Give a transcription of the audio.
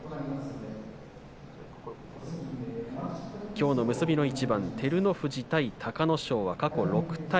きょうの結びの一番照ノ富士対隆の勝過去６対３。